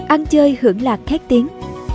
ăn chơi hưởng lạc khét tiếng